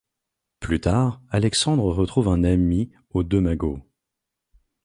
Plus tard, Alexandre retrouve un ami aux Deux Magots.